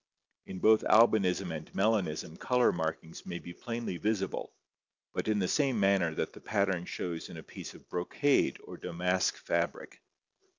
In both albinism and melanism color markings may be plainly visible, but in the same manner that the pattern shows in a piece of brocade or damask fabric.